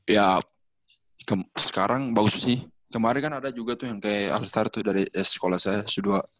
ya sekarang bagus sih kemarin kan ada juga tuh yang kayak altar tuh dari sekolah saya